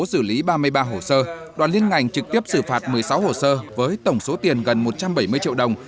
xử lý ba mươi ba hồ sơ đoàn liên ngành trực tiếp xử phạt một mươi sáu hồ sơ với tổng số tiền gần một trăm bảy mươi triệu đồng